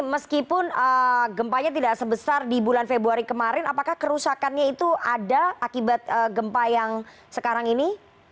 meskipun gempanya tidak sebesar di bulan februari kemarin apakah kerusakannya itu ada akibat gempa yang sekarang ini